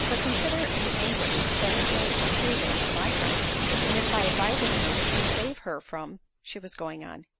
For consider the anguish that it may occasion to my friend; and if, by advising her, we can save her from——" She was going on.